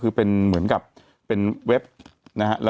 แต่หนูจะเอากับน้องเขามาแต่ว่า